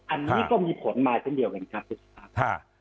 อันนี้ก็มีผลมาทั้งเดียวกันครับทุกคนครับ